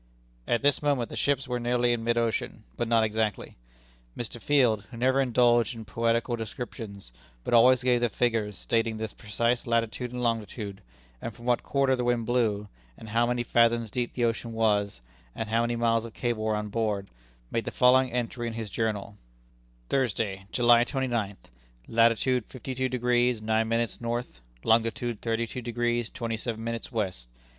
At this moment the ships were nearly in mid ocean, but not exactly. Mr. Field, who never indulged in poetical descriptions, but always gave the figures, stating the precise latitude and longitude, and from what quarter the wind blew, and how many fathoms deep the ocean was, and how many miles of cable were on board, made the following entry in his journal: "Thursday, July twenty ninth, latitude fifty two degrees nine minutes north, longitude thirty two degrees twenty seven minutes west.